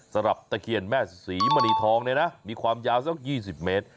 สำหรับตะเคียนแม่ศรีมณีทองนะมีความยาว๒๐เมตร